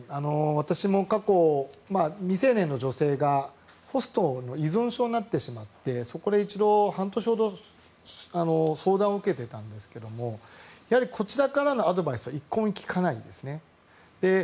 私も過去、未成年の女性がホストの依存症になってしまってそこで一度、半年ほど相談を受けていたんですがやはりこちらからのアドバイスは一向に聞かないですね。